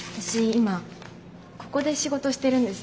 今ここで仕事してるんです。